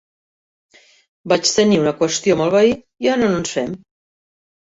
Vaig tenir una qüestió amb el veí i ara no ens fem.